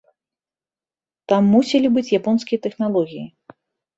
Там мусілі быць японскія тэхналогіі.